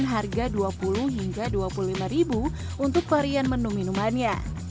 harga dua puluh hingga rp dua puluh lima untuk varian menu minumannya